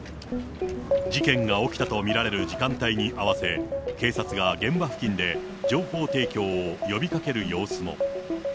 事件が起きたと見られる時間帯に合わせ、警察が現場付近で情報提供を呼びかける様子も。